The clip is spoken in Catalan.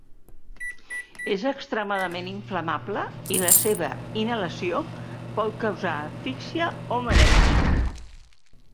És extremadament inflamable i la seva inhalació pot causar asfíxia o mareig.